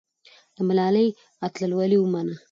د ملالۍ اتلولي ومنه.